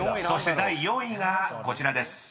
［そして第４位がこちらです］